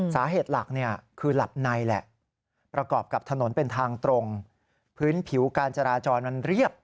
สาเหตุหลักเนี่ยคือหลับในแหละประกอบกับถนนเป็นทางตรงพื้นผิวการจราจรมันเรียบ